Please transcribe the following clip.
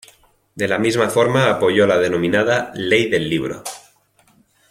De la misma forma apoyó la denominada "Ley del libro".